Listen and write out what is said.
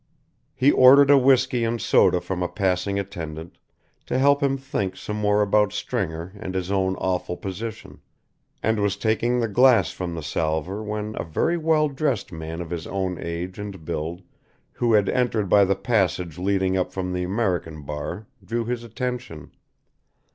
He ordered a whisky and soda from a passing attendant, to help him think some more about Stringer and his own awful position, and was taking the glass from the salver when a very well dressed man of his own age and build who had entered by the passage leading up from the American bar drew his attention.